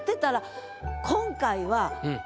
今回は。